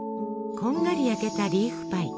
こんがり焼けたリーフパイ。